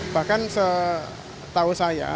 bahkan setahu saya